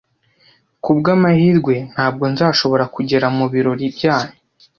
Kubwamahirwe, ntabwo nzashobora kugera mubirori byanyu.